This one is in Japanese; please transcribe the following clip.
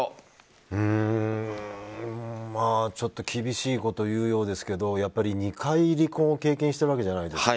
まあ、ちょっと厳しいことを言うようですけど２回離婚を経験してるじゃないですか。